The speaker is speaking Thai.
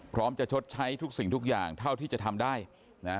พร้อมจะชดใช้ทุกสิ่งทุกอย่างเท่าที่จะทำได้นะฮะ